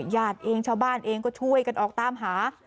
ญาติเองชาวบ้านเองก็ช่วยกันออกตามหา